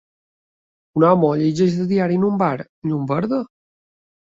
Un home llegeix el diari en un bar amb llum verda.